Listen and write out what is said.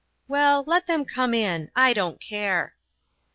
Well, let them come in ; I don't care."